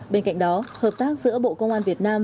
bên cạnh đó hợp tác giữa bộ công an việt nam